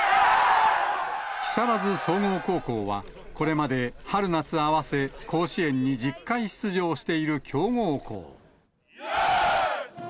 木更津総合高校は、これまで春夏合わせ、甲子園に１０回出場している強豪校。